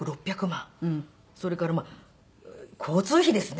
それから交通費ですね。